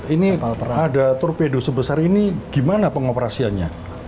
ini ada torpedo sebesar ini gimana pengoperasiannya